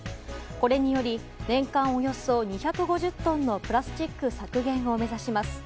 これにより年間およそ２５０トンのプラスチック削減を目指します。